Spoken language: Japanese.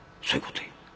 「そういうこって」。